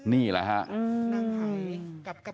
นี่แหละฮะ